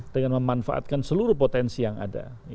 dengan memanfaatkan seluruh potensi yang ada